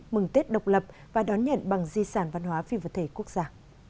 mừng tết độc lập và đón nhận bằng di sản văn hóa phi vật thể quốc gia